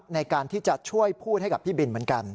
ในการที่จะช่วยพูดให้กับพี่บินเหมือนกัน